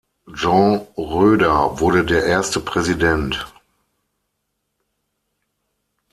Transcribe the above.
Jean Roeder wurde der erste Präsident.